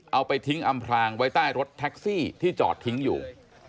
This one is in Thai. เอาไปทิ้งอำพลางไว้ใต้รถแท็กซี่ที่จอดทิ้งอยู่